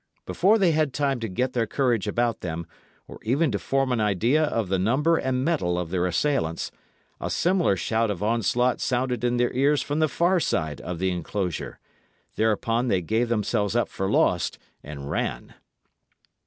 Before they had time to get their courage about them, or even to form an idea of the number and mettle of their assailants, a similar shout of onslaught sounded in their ears from the far side of the enclosure. Thereupon they gave themselves up for lost and ran.